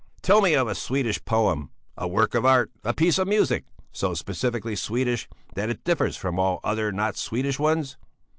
"Tell me of a Swedish poem, a work of art, a piece of music, so specifically Swedish that it differs from all other not Swedish ones!